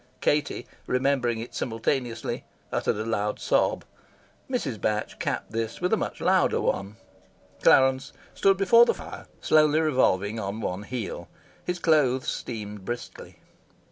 Katie, remembering it simultaneously, uttered a loud sob. Mrs. Batch capped this with a much louder one. Clarence stood before the fire, slowly revolving on one heel. His clothes steamed briskly.